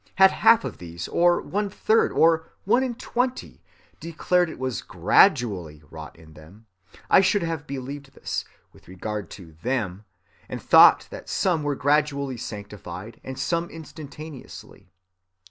Had half of these, or one third, or one in twenty, declared it was gradually wrought in them, I should have believed this, with regard to them, and thought that some were gradually sanctified and some instantaneously.